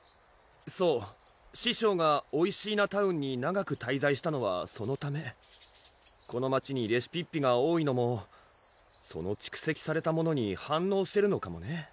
そう師匠がおいしーなタウンに長く滞在したのはそのためこの街にレシピッピが多いのもその蓄積されたものに反応してるのかもね